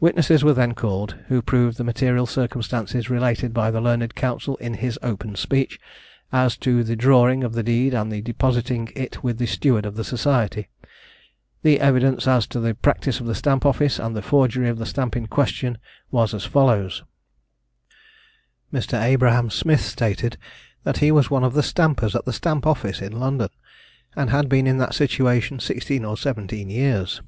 Witnesses were then called, who proved the material circumstances related by the learned counsel in his opening speech, as to the drawing the deed, and depositing it with the steward of the society. The evidence as to the practice of the Stamp office, and the forgery of the stamp in question, was as follows: Mr. Abraham Smith stated, that he was one of the stampers at the Stamp office, in London, and had been in that situation sixteen or seventeen years.